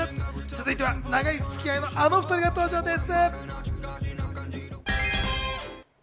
続いては長いつき合いのあの２人が登場です。